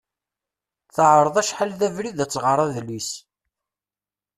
Teɛreḍ acḥal d abrid ad tɣer adlis.